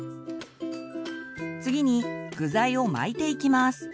次に具材を巻いていきます。